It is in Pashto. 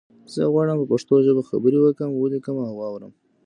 زه غواړم په پښتو ژبه خبری وکړم او ولیکم او وارم